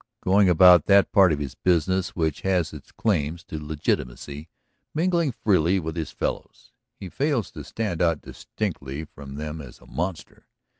Going about that part of his business which has its claims to legitimacy, mingling freely with his fellows, he fails to stand out distinctly from them as a monster.